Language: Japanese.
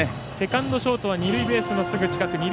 セカンド、ショートは二塁ベースのすぐ近く。